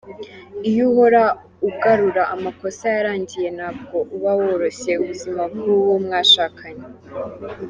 Iyo uhora ugarura amakosa yarangiye ntabwo uba woroshya ubuzima bw’uwo mwashakanye.